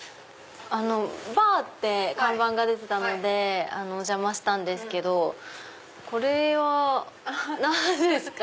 バーって看板が出てたのでお邪魔したんですけどこれは何ですか？